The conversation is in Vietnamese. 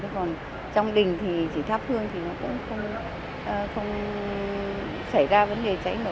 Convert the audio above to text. còn trong đình thì chỉ tháp hương thì nó cũng không xảy ra vấn đề trái nổ